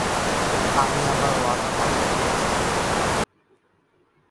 আমি আমার ওয়াদা পালন করেছি।